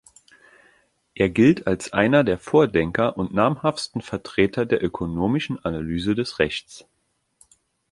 Er gilt als einer der Vordenker und namhaftesten Vertreter der ökonomischen Analyse des Rechts.